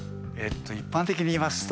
一般的に言いますと。